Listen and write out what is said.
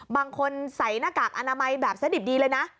บางคนใส่หน้ากากอนามัยแบบสดิบดีเลยนะ